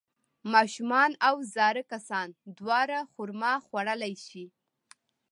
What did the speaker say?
ماشومان او زاړه کسان دواړه خرما خوړلی شي.